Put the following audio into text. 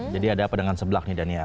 jadi ada apa dengan seblak nih dania